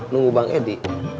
nunggu bang edi